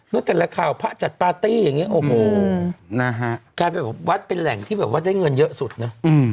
แล้วแต่ละข่าวพระจัดปาร์ตี้อย่างนี้โอ้โหวัดเป็นแหล่งที่วัดได้เงินเยอะสุดนะ